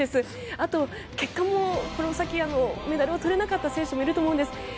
あと、結果もこの先メダルを取れなかった選手もいると思うんです。